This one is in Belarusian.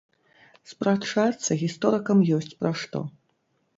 Спрачацца гісторыкам ёсць пра што.